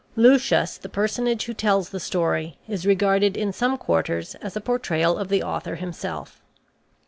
Lucius, the personage who tells the story, is regarded in some quarters as a portrayal of the author himself.